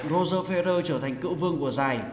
roger ferrer trở thành cựu vương của giải